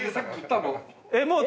えっ？